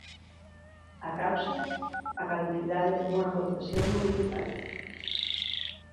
A causa: a caducidade dunha concesión municipal.